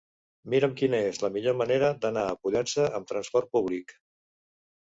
Mira'm quina és la millor manera d'anar a Pollença amb transport públic.